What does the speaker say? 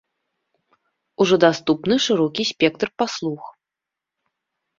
Ужо даступны шырокі спектр паслуг.